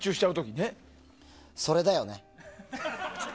それだよね。